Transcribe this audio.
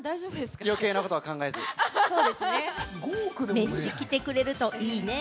メッシ来てくれるといいね。